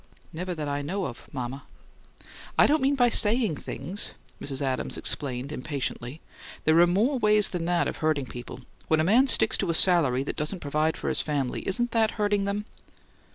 "Never that I know of, mama." "I don't mean by SAYING things," Mrs. Adams explained, impatiently. "There are more ways than that of hurting people. When a man sticks to a salary that doesn't provide for his family, isn't that hurting them?"